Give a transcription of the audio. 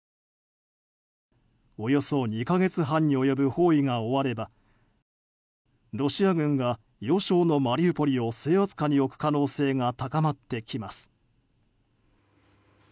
およそ２か月半に及ぶ包囲が終わればロシア軍が要衝のマリウポリを制圧下に置く可能性が高まってきます。